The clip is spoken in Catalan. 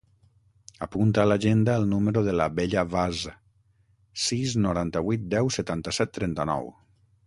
Apunta a l'agenda el número de la Bella Vaz: sis, noranta-vuit, deu, setanta-set, trenta-nou.